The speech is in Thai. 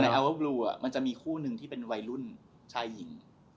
ในเอาเว้อร์วลูวซ์แภทมันจะมีคู่หนึ่งที่เป็นวัยรุ่นชายหญิง